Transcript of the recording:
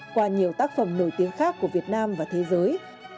qua nhiều tác phẩm nổi tiếng khác của việt nam và thế giới